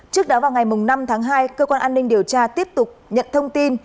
trước đó vào ngày năm tháng hai cơ quan an ninh điều tra tiếp tục nhận thông tin